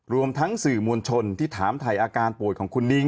รวมทั้งสื่อมวลชนที่ถามถ่ายอาการป่วยของคุณนิ้ง